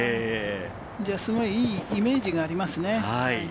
すごくいいイメージがありますね。